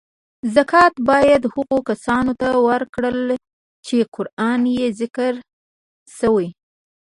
زکات باید هغو کسانو ته ورکړل چی قران کې ذکر شوی .